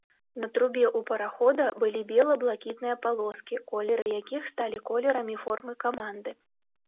На трубе ў парахода былі бела-блакітныя палоскі, колеры якіх сталі колерамі формы каманды.